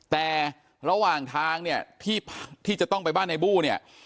แต่ระหว่างทางเนี่ยที่จะต้องไปบ้านในบู้เนี่ย